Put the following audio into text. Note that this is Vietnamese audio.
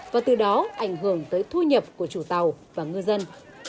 và từ đó ảnh hưởng tới thu nhập của chủ tàu và ngư dân